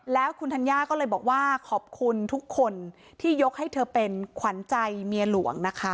แล้วคุณธัญญาก็เลยบอกว่าขอบคุณทุกคนที่ยกให้เธอเป็นขวัญใจเมียหลวงนะคะ